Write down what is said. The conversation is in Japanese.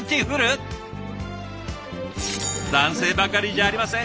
男性ばかりじゃありません。